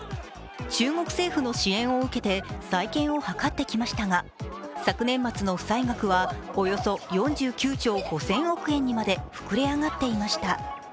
中国政府の支援を受けて再建を図ってきましたが、昨年末の負債額はおよそ４９兆５０００億円にまで膨れ上がっていました。